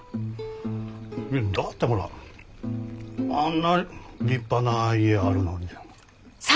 だってほらあんな立派な家あるのにさ。